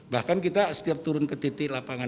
bahkan kita setiap turun ke titik lapangan